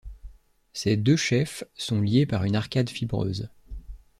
Ses deux chefs sont liés par une arcade fibreuse.